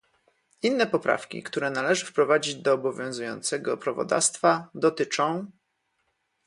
Inne poprawki, które należy wprowadzić do obowiązującego prawodawstwa, dotyczą